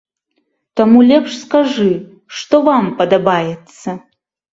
Таму лепш скажы, што вам падабаецца?